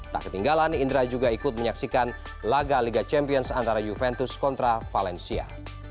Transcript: tak ketinggalan indra juga ikut menyaksikan laga liga champions antara juventus kontra valencia